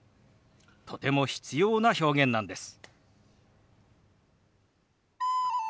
とても必要な表現なんです。